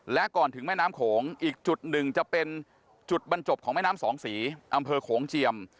และก่อนถึงแม่น้ำโขงอีกจุดหนึ่งจะเป็นจุดบรรจบของแม่น้ำสองสีอำเภอโขงเจียม